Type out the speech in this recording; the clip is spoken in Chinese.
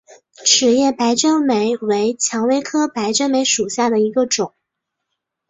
齿叶白鹃梅为蔷薇科白鹃梅属下的一个种。